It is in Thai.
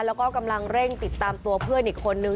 แล้วก็กำลังเร่งติดตามตัวเพื่อนอีกคนนึง